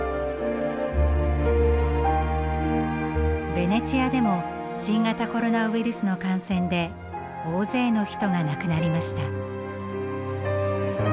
ベネチアでも新型コロナウイルスの感染で大勢の人が亡くなりました。